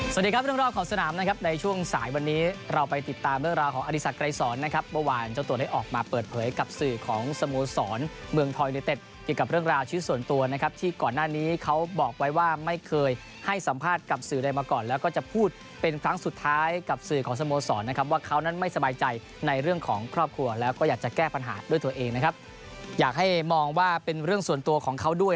สวัสดีครับเพื่อนรอบของสนามนะครับในช่วงสายวันนี้เราไปติดตามเรื่องราวของอธิษฐกรายสอนนะครับเมื่อวานเจ้าตัวนี้ออกมาเปิดเผยกับสื่อของสโมสรเมืองทอยในเต็ดเกี่ยวกับเรื่องราวชีวิตส่วนตัวนะครับที่ก่อนหน้านี้เขาบอกไว้ว่าไม่เคยให้สัมภาษณ์กับสื่อได้มาก่อนแล้วก็จะพูดเป็นครั้งสุดท้ายกับสื่อของสโ